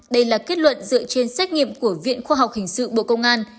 đây là kết luận dựa trên xét nghiệm của viện khoa học hình sự bộ công an